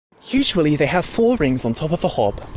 Usually they have four rings on top of the hob.